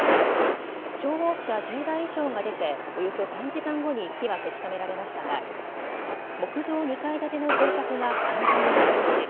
消防車１０台以上が出ておよそ３時間後に火は消し止められましたが木造２階建ての住宅が完全に焼け落ち